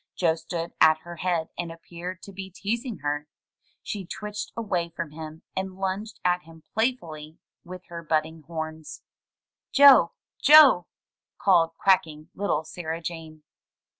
Joe stood at her head and appeared to be teasing her. She twitched away from him, and lunged at him playfully with her budding horns. 93 MY BOOK HOUSE "Joe! Joe!'' called quaking little Sarah Jane.